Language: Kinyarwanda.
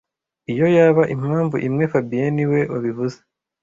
Iyo yaba impamvu imwe fabien niwe wabivuze